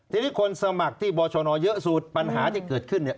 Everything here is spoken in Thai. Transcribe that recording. ทีนี้คนสมัครที่บชนเยอะสุดปัญหาที่เกิดขึ้นเนี่ย